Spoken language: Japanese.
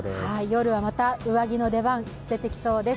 夜はまた上着の出番、出てきそうです。